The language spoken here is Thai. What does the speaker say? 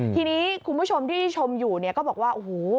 ทีนี้คุณผู้ชมที่ชมอยู่เนี่ยก็บอกว่าโอ้โห